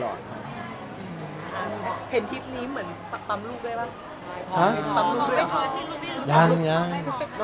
ห่างยัง